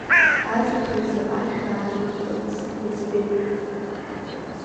Азныказы ашә аадмыртырц рыӡбеит.